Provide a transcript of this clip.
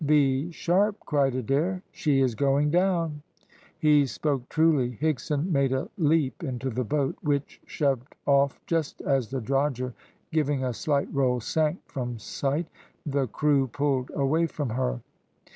"Be sharp," cried Adair. "She is going down!" He spoke truly. Higson made a leap into the boat, which shoved off just as the drogher, giving a slight roll, sank from sight. The crew pulled away from her.